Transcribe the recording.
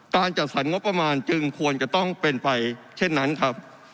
จัดสรรงบประมาณจึงควรจะต้องเป็นไปเช่นนั้นครับ